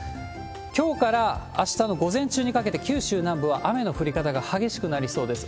きょうからあしたの午前中にかけて、九州南部は雨の降り方が激しくなりそうです。